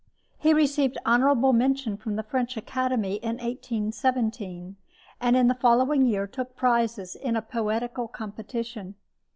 He received honorable mention from the French Academy in 1817, and in the following year took prizes in a poetical competition.